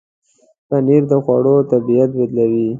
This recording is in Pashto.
پنېر د خوړو طبعیت بدلوي.